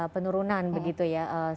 penurunan begitu ya